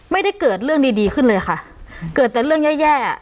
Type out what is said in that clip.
ไม่ได้เกิดเรื่องดีดีขึ้นเลยค่ะเกิดแต่เรื่องแย่แย่อ่ะ